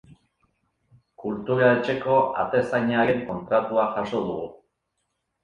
Kultura-etxeko atezainaren kontratua jaso dugu.